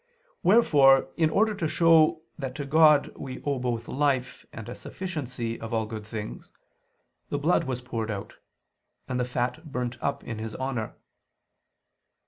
Wherefore, in order to show that to God we owe both life and a sufficiency of all good things, the blood was poured out, and the fat burnt up in His honor.